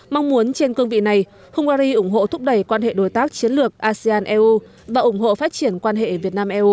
mong muốn trên cương vị này hungary ủng hộ thúc đẩy quan hệ đối tác chiến lược asean eu và ủng hộ phát triển quan hệ việt nam eu